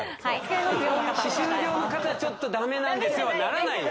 歯周病の方はちょっとダメなんですよはならないよ